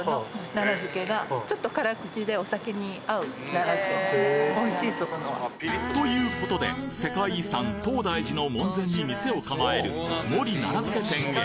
中でもということで世界遺産東大寺の門前に店を構える森奈良漬店へ。